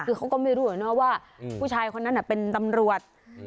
คือเขาก็ไม่รู้เหรอเนอะว่าอืมผู้ชายคนนั้นน่ะเป็นตำรวจอืม